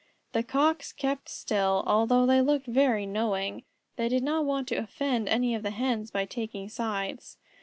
The Cocks kept still, although they looked very knowing. They did not want to offend any of the Hens by taking sides.